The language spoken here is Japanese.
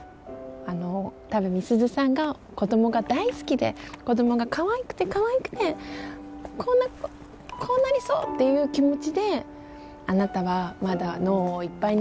あの多分みすゞさんが子どもが大好きで子どもがかわいくてかわいくてこうなりそうっていう気持ちで「あなたはまだ脳をいっぱいにしちゃ駄目だよ。